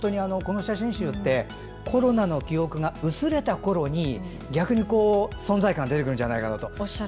この写真集ってコロナの記憶が薄れたころに逆に、存在感が出てくるんじゃないかなと。